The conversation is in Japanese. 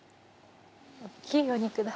大っきいお肉だ。